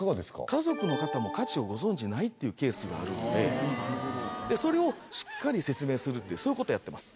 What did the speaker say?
家族の方も価値をご存じないってケースがあるのでそれをしっかり説明するっていうそういうことをやってます。